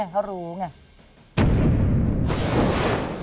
เขารู้ไง